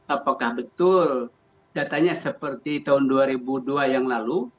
apakah betul datanya seperti tahun dua ribu dua yang lalu